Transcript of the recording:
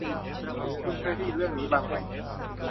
คุณเคยได้ยินเรื่องนี้บ้างไหม